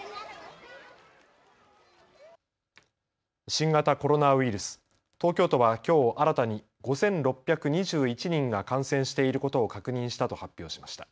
新型コロナウイルス、東京都はきょう新たに５６２１人が感染していることを確認したと発表しました。